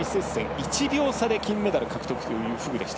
１秒差で金メダル獲得というフグ。